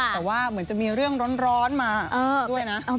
แต่ว่าเหมือนจะมีเรื่องร้อนมาด้วยนะ